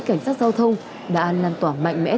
cảnh sát giao thông đã làm tỏa mạnh mẽ